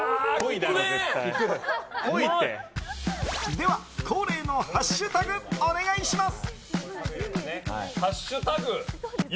では、恒例のハッシュタグお願いします。